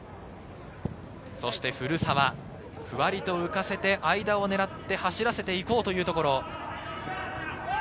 そして古澤、ふわりと浮かせて間を狙って走らせていこうというところ。